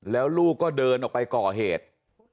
แล้วลูกก็เดินออกไปก่อเหตุ